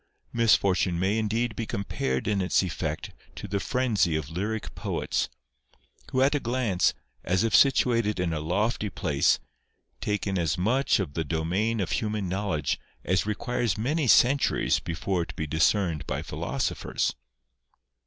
Misfortune may indeed be compared in its effect to the frenzy of lyric poets, who at a glance, as if situated in a lofty place, take in as much of the domain of human knowledge as requires many centuries before it be dis cerned by philosophers.